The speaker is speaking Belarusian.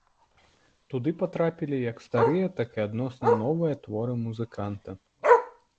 Туды патрапілі як старыя так і адносна новыя творы музыканта.